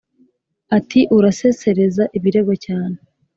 Ati: "Urasesereza ibirego cyane!